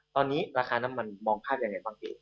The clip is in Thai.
ตอนนี้ราคาน้ำมันมองภาพยังไงบ้างพี่